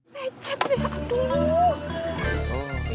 pecet deh aduh